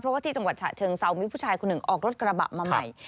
เพราะว่าที่จังหวัดฉะเชิงเซามีผู้ชายคนหนึ่งออกรถกระบะมาใหม่